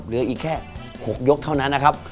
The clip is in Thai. เหลืออีกแค่๖ยกเท่านั้นนะครับ